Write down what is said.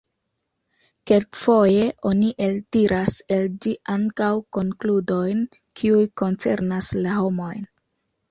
Kelkfoje oni eltiras el ĝi ankaŭ konkludojn, kiuj koncernas la homojn.